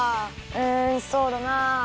うんそうだな。